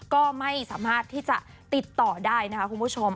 ก็ไม่สามารถที่จะติดต่อได้นะคะคุณผู้ชม